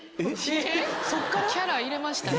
キャラ入れましたね。